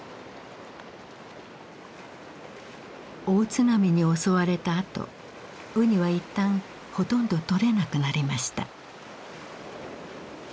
大津波に襲われたあとウニは一旦ほとんどとれなくなりました。